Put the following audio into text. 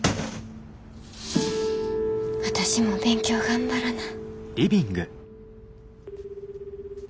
私も勉強頑張らな。